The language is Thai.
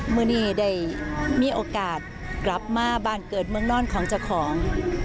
เมื่อนี้ได้มีโอกาสกลับมาบ้านเกิดเมืองนอนของเจ้าของ